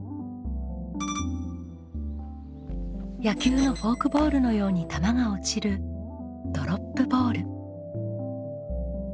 野球のフォークボールのように球が落ちるドロップボール。